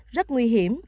rất nguy hiểm